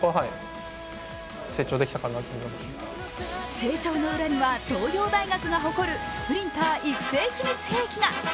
成長の裏には東洋大学が誇るスプリンター育成秘密兵器が。